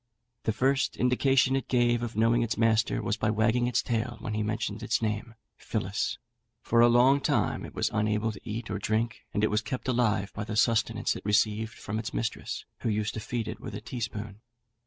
The first indication it gave of knowing its master was by wagging its tail when he mentioned its name, Phillis; for a long time it was unable to eat or drink, and it was kept alive by the sustenance it received from its mistress, who used to feed it with a teaspoon.